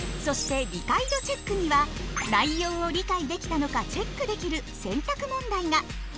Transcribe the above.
そして理解度チェックには内容を理解できたのかチェックできる選択問題が！